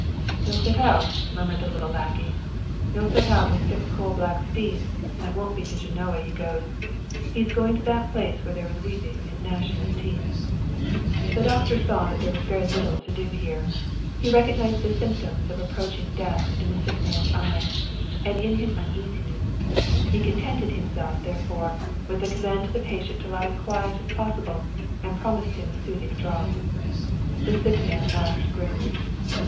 " He'll set out," murmured the little lackey ;" he'll set out with six coal black steeds, but it won't be to Genoa he goes. He's going to that place where there is weeping and gnashing of teeth." The doctor saw that there was very 123 German Mystery Stories k little to do here. He recognized the symptoms of ap proaching death in the sick man's eyes and in his uneasi ness. He contented himself, therefore, with the command to the patient to lie as quiet as possible, and promised him a soothing draught. The sick man laughed grimly.